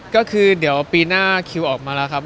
ก็คือเดี๋ยวปีหน้าคิวออกมาแล้วครับ